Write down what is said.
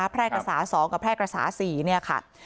แพร่กระสา๒กับแพร่กระสา๔